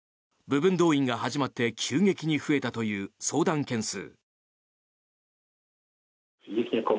部分動員が始まって急激に増えたという相談件数。